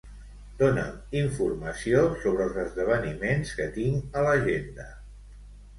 Dona'm informació sobre els esdeveniments que tinc a l'agenda.